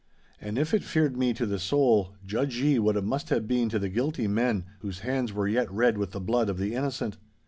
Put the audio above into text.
And if it feared me to the soul, judge ye what it must have been to the guilty men whose hands were yet red with the blood of the innocent.